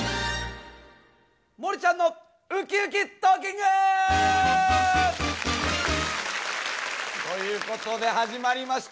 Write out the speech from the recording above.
「もりちゃんのウキウキトーキング」！ということで始まりました